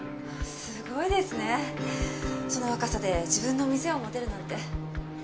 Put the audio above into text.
すごいですねその若さで自分の店を持てるなんて。